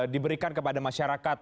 diberikan kepada masyarakat